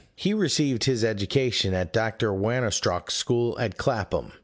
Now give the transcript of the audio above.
He received his education at Dr. Wanostrocht's school at Clapham.